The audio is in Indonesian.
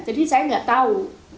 jadi saya tidak tahu